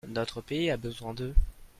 Notre pays a besoin d’eux.